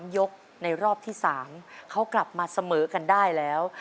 ยกในรอบที่๓เขากลับมาเสมอกันได้แล้ว